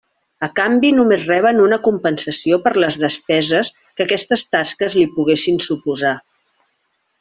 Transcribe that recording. A canvi només reben una compensació per les despeses que aquestes tasques li poguessin suposar.